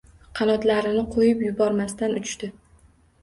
Qanotlarini qo’yib yubormasdan uchdi.